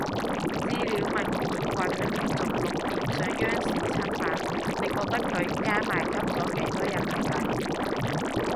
資料文件話佢連續六年上央視春晚，你覺得佢加埋吸咗幾多人民幣？